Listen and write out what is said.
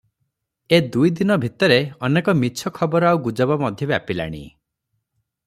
ଏ ଦୁଇ ଦିନ ଭିତରେ ଅନେକ ମିଛ ଖବର ଆଉ ଗୁଜବ ମଧ୍ୟ ବ୍ୟାପିଲାଣି ।